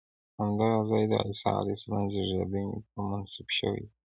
همدغه ځای د عیسی علیه السلام زېږېدنې ته منسوب شوی دی.